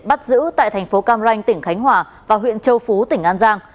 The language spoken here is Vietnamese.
bắt giữ tại thành phố cam ranh tỉnh khánh hòa và huyện châu phú tỉnh an giang